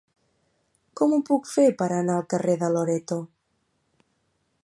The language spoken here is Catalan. Com ho puc fer per anar al carrer de Loreto?